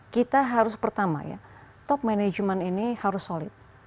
kita harus pertama ya top management ini harus solid